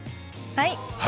はい。